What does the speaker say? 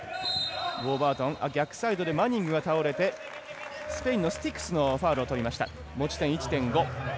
逆サイド、マニングが倒れてスペインのスティクスのファウルをとりました。